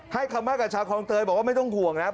คำว่ากับชาวคลองเตยบอกว่าไม่ต้องห่วงนะครับ